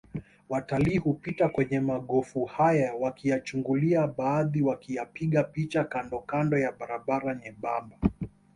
Watalii hupita kwenye magofu haya wakiyachungulia baadhi wakiyapiga picha kandokando ya barabara nyembamba